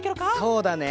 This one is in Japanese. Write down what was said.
そうだね。